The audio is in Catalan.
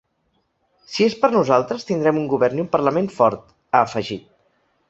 Si és per nosaltres tindrem un govern i un parlament fort, ha afegit.